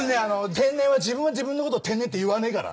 天然は自分は自分のこと天然って言わねえから。